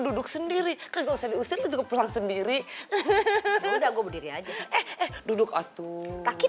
duduk sendiri kegagalan diusir juga pulang sendiri udah gue berdiri aja duduk atuh kaki